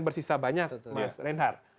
bersisa banyak mas reinhard